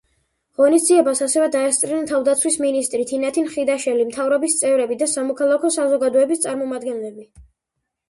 ღონისძიებას ასევე დაესწრნენ თავდაცვის მინისტრი თინათინ ხიდაშელი, მთავრობის წევრები და სამოქალაქო საზოგადოების წარმომადგენლები.